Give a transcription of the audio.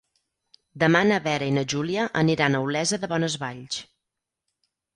Demà na Vera i na Júlia aniran a Olesa de Bonesvalls.